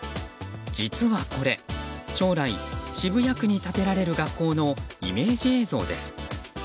実はこれ、将来渋谷区に建てられる学校のイメージ映像です。